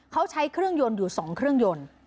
เขาใช้เครื่องยนต์อยู่๒เครื่องยนต์